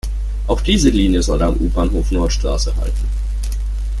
Auch diese Linie soll am U-Bahnhof Nordstraße halten.